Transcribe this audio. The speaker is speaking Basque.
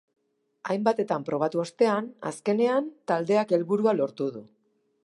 Hainbatetan probatu ostean, azkenean, taldeak helburua lortu du.